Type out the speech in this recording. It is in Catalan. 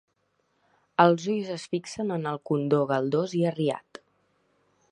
Els ulls es fixen en el condó galdós i arriat.